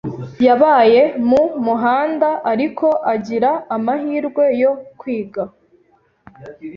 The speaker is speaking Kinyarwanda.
yabaye mu muhanda ariko agira amahirwe yo kwiga